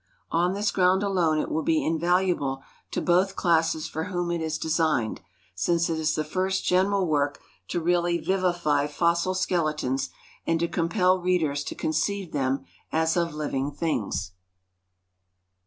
On this ground alone it will be invaluable to both classes for whom it is designed, since it is the first general work to really vivify fossil skeletons and to compel readers to con ceive them as of living things.